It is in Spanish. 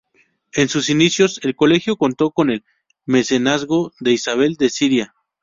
En sus inicios, el colegio contó con el mecenazgo de Isabel de Siria.